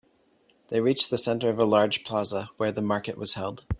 They reached the center of a large plaza where the market was held.